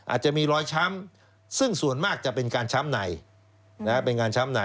อาจจะมีรอยช้ำซึ่งส่วนมากจะเป็นการช้ำใหน